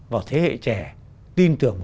vào thế hệ trẻ tin tưởng